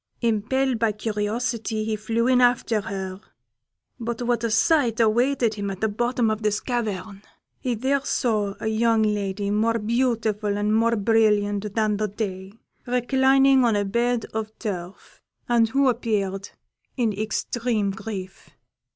Impelled by curiosity, he flew in after her; but what a sight awaited him at the bottom of this cavern! He there saw a young lady, more beautiful and more brilliant than the day, reclining on a bed of turf, and who appeared in extreme grief.